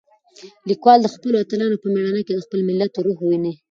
لیکوال د خپلو اتلانو په مېړانه کې د خپل ملت روح وینه.